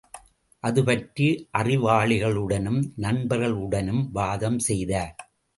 அது பற்றி அறிவாளிகளுடனும் நண்பர்களுடனும் வாதம் செய்தார்.